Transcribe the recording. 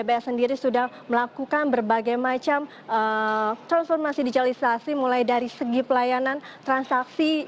di mana di dbs sendiri sudah melakukan berbagai macam transformasi digitalisasi mulai dari segi pelayanan transaksi